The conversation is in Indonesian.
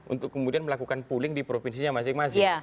untuk kemudian melakukan pooling di provinsinya masing masing